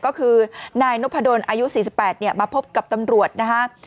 ก็คือนายนพดลอายุ๔๘มาพบกับตำรวจนะฮะ